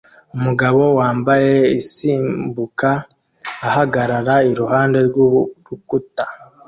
Umugabo wambaye isimbuka ahagarara iruhande rwurukuta